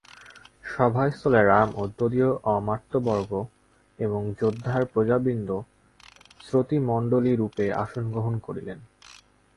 সভাস্থলে রাম ও তদীয় অমাত্যবর্গ এবং অযোধ্যার প্রজাবৃন্দ শ্রোতৃমণ্ডলীরূপে আসন গ্রহণ করিলেন।